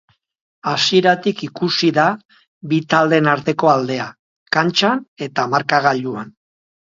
Hasieratik ikusi da bi taldeen arteko aldea, kantxan eta markagailuan.